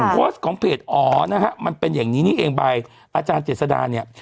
โพสต์ของเพจอ๋อนะฮะมันเป็นอย่างนี้นี่เองไปอาจารย์เจษดาเนี่ย